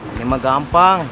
ini mah gampang